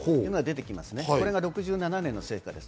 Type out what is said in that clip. これが６７年の成果です。